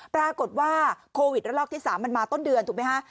ปรากฏว่าโควิดระลอกที่๓มันมาต้นเดือนถูกไหมฮะ